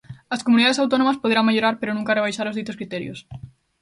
As comunidades autónomas poderán mellorar pero nunca rebaixar os ditos criterios.